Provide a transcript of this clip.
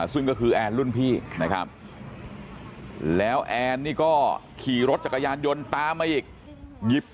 ซึ่งก็คือแอนรุ่นพี่นะครับแล้วแอนนี่ก็ขี่รถจักรยานยนต์ตามมาอีก